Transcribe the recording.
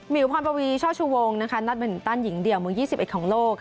มิวพรปวีชชวงศ์นัดแบตมินตันหญิงเดี่ยวม๒๑ของโลก